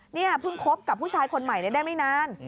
นี่เพิ่งคบกับผู้ชายคนใหม่ได้ไม่นาน